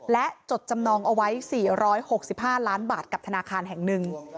และจดจำนองเอาไว้๔๖๕ล้านบาทกับธนาคารแห่งหนึ่ง